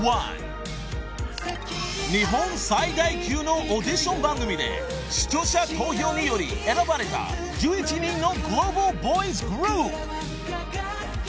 ［日本最大級のオーディション番組で視聴者投票により選ばれた１１人のグローバルボーイズグループ］